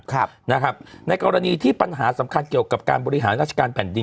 ครับนะครับในกรณีที่ปัญหาสำคัญเกี่ยวกับการบริหารราชการแผ่นดิน